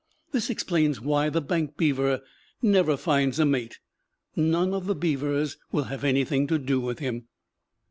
This explains why the bank beaver never finds a mate; none of the beavers will have anything to do with him.